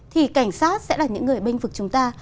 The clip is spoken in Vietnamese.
thì cảnh sát sẽ là những người binh phục chúng ta